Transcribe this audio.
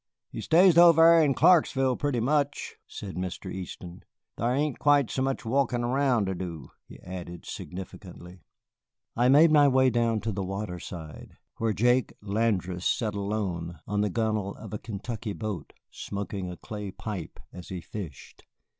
"He stays over thar to Clarksville pretty much," said Mr. Easton. "Thar ain't quite so much walkin' araound ter do," he added significantly. I made my way down to the water side, where Jake Landrasse sat alone on the gunwale of a Kentucky boat, smoking a clay pipe as he fished.